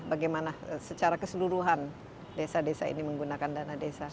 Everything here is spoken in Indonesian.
bagaimana secara keseluruhan desa desa ini menggunakan dana desa